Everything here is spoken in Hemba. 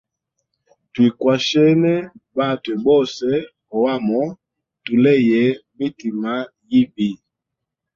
Twikwashene batwe bose ohamo tuleye mitima yibi.